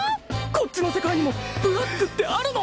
こっちの世界にもブラックってあるの？